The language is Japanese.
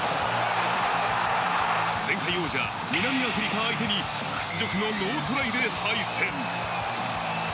前回王者・南アフリカ相手に屈辱のノートライで敗戦。